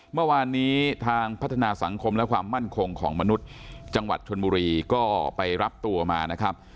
เมื่อวานนี้ทางพัฒนาสังคมและความมั่นคงของมนุษย์จังหวัดชนบุรีก็ไปรับตัวมานะครับ